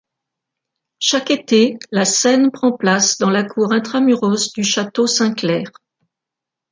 Chaque été, la scène prend place dans la cour intra-muros du château Saint-Clair.